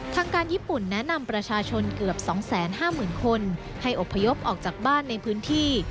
ทางการญี่ปุ่นแนะนำประชาชนเกือบ๒๕๐๐๐คนให้อบพยพออกจากบ้านในพื้นที่